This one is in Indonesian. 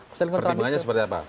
pertimbangannya seperti apa